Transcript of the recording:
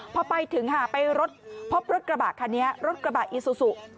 พอไปถึงฮะไปรถพบรถกระบะค่ะเนี้ยรถกระบะอิสุสุ